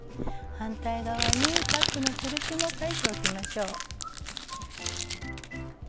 反対側にタックの印も書いておきましょう。